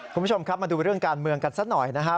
คุณผู้ชมครับมาดูเรื่องการเมืองกันสักหน่อยนะครับ